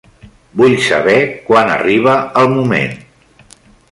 Vull saber quan arriba el moment.